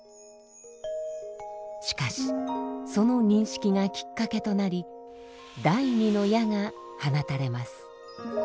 しかしその認識がきっかけとなり第２の矢が放たれます。